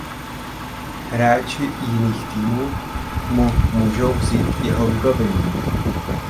Hráči jiných týmů mu můžou vzít jeho vybavení.